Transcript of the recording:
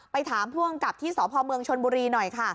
ถามผู้อำกับที่สพเมืองชนบุรีหน่อยค่ะ